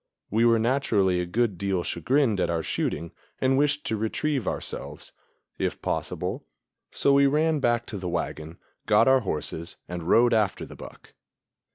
We were naturally a good deal chagrined at our shooting and wished to retrieve ourselves, if possible; so we ran back to the wagon, got our horses and rode after the buck.